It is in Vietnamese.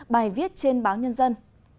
bài viết trên báo nhân dân